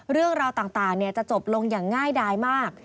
เรื่องราวต่างจะจบลงอย่างง่ายดายมาก